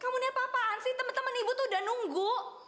kamu niat apa apaan sih temen temen ibu tuh udah nunggu